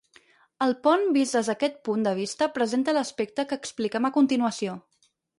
El pont vist des d'aquest punt de vista presenta l'aspecte que expliquem a continuació.